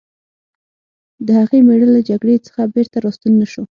د هغې مېړه له جګړې څخه بېرته راستون نه شو